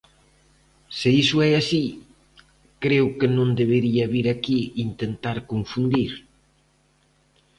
Se iso é así, creo que non debería vir aquí intentar confundir.